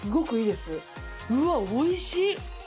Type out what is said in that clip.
うわおいしい！